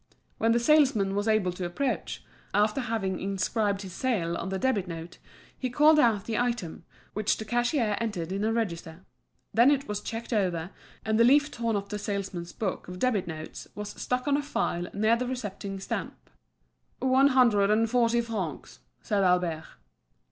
When the salesman was able to approach, after having inscribed his sale on the debit note, he called out the item, which the cashier entered in a register; then it was checked over, and the leaf torn off the salesman's book of debit notes was stuck on a file near the receipting stamp. "One hundred and forty francs," said Albert.